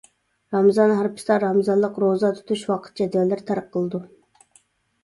رامىزان ھارپىسىدا رامىزانلىق روزا تۇتۇش ۋاقىت جەدۋەللىرى تارقىلىدۇ.